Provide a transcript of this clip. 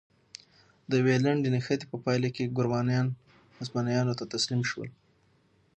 د یوې لنډې نښتې په پایله کې ګورانیان هسپانویانو ته تسلیم شول.